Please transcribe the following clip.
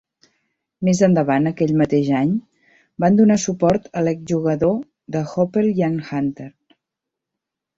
Més endavant, aquell mateix any, van donar suport a l'exjugador del Hoople Ian Hunter.